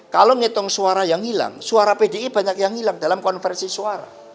kalau ngitung suara yang hilang suara pdi banyak yang hilang dalam konversi suara